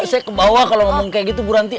saya ke bawah kalau ngomong kaya gitu bu ranti